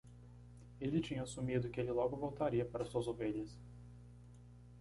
Ele tinha assumido que ele logo voltaria para suas ovelhas.